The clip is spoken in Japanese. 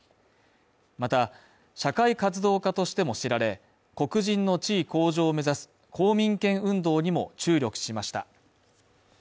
また、社会活動家としても知られ、黒人の地位向上を目指す、公民権運動にも注力しました。